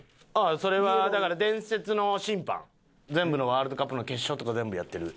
それはだから全部のワールドカップの決勝とか全部やってる。